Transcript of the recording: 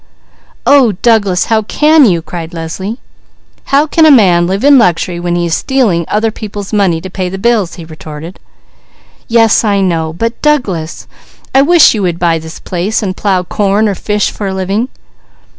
"Oh Douglas! How can you?" cried Leslie. "How can a man live in luxury when he is stealing other people's money to pay the bills?" he retorted. "Yes I know, but Douglas, I wish you would buy this place and plow corn, or fish for a living."